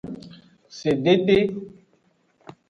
Sedede.